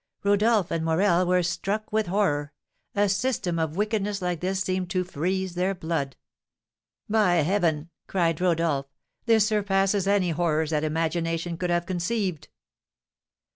'" Rodolph and Morel were struck with horror; a system of wickedness like this seemed to freeze their blood. "By Heaven!" said Rodolph, "this surpasses any horrors that imagination could have conceived."